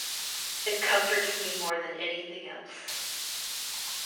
It comforts me more than anything else.